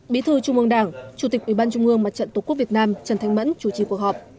bí thư trung ương đảng chủ tịch ủy ban trung ương mặt trận tổ quốc việt nam trần thanh mẫn chủ trì cuộc họp